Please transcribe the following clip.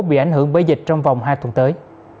bị ảnh hưởng bởi dịch trong vòng hai tuần tới